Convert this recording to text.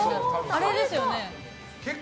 あれですよね？